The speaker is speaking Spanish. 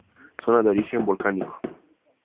Zona de origen volcánico.